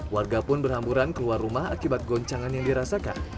warga pun berhamburan keluar rumah akibat goncangan yang dirasakan